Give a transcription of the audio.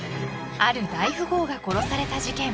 ［ある大富豪が殺された事件］